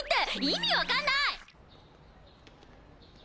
意味わかんない！